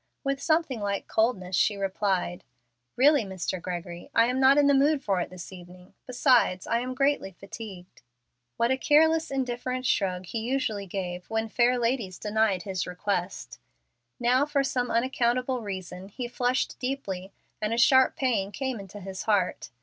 With something like coldness she replied, "Really, Mr. Gregory, I am not in the mood for it this evening; besides, I am greatly fatigued." What a careless, indifferent shrug he usually gave when fair ladies denied his requests! Now, for some unaccountable reason, he flushed deeply and a sharp pain came into his heart.